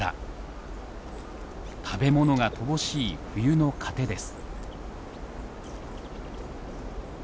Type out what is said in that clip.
食べ物が乏しい冬の糧です。